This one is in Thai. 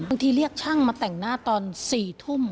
เรียกช่างมาแต่งหน้าตอน๔ทุ่ม